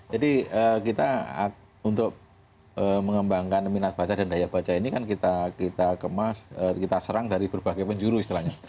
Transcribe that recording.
jadi kita untuk mengembangkan minat baca dan daya baca ini kan kita serang dari berbagai penjuru istilahnya